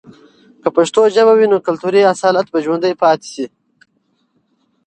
که پښتو ژبه وي، نو کلتوری اصالت به ژوندۍ پاتې سي.